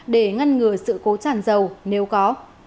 để ngăn ngừa sự cố tràn dầu nếu có